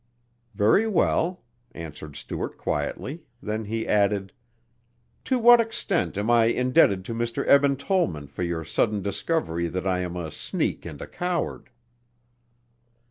"Very well," answered Stuart quietly; then he added: "To what extent am I indebted to Mr. Eben Tollman for your sudden discovery that I am a sneak and a coward?"